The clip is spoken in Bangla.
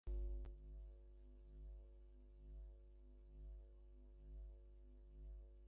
আইওএস নির্ভর স্মার্ট পণ্যগুলোর নিরাপত্তায় যথেষ্ট সচেতনতা আপনাকে স্মার্ট করে তুলবে।